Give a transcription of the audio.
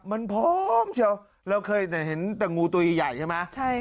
มันพร้อมเชียวเราเคยเห็นแต่งูตัวใหญ่ใช่ไหม